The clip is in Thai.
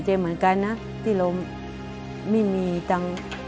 และกับผู้จัดการที่เขาเป็นดูเรียนหนังสือ